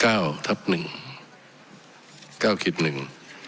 เก้าทับหนึ่งเก้าคิดหนึ่ง